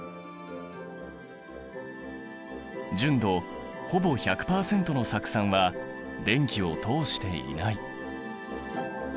純度ほぼ１００％の酢酸は電気を通していない。